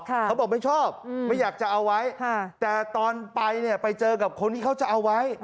เขาบอกไม่ชอบไม่อยากจะเอาไว้แต่ตอนไปเนี่ยไปเจอกับคนที่เขาจะเอาไว้